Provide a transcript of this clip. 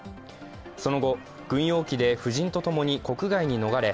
その後、軍用機で夫人と共に国外に逃れ